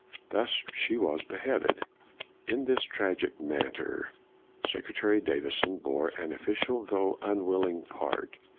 Thus she was beheaded. In this tragic matter, Sec retary Davison bore an official, though unwilling part.